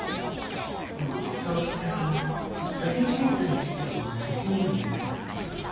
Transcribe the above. でも女装をきっかけに女性社員とのやりとりも楽しめるようになったとか。